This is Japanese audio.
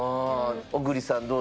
小栗さん